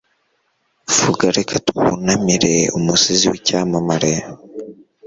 vuga Reka twunamire umusizi w'icyamamare